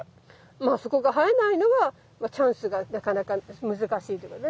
まあそこが生えないのがチャンスがなかなか難しいってことだね。